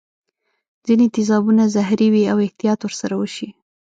ځیني تیزابونه زهري وي او احتیاط ور سره وشي.